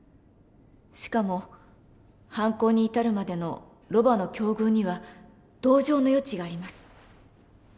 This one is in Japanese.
しかも犯行に至るまでのロバの境遇には同情の余地があります。